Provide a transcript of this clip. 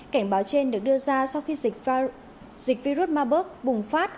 cảnh báo trên được đưa ra sau khi dịch virus maburg bùng phát